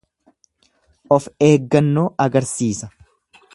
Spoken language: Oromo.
Of eeggannoo agarsiisa.